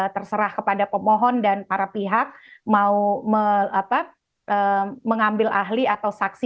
terserah kepada pemohon dan para pihak mau mengambil ahli atau saksi